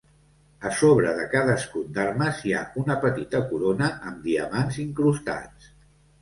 A sobre de cada escut d'armes hi ha una petita corona amb diamants incrustats.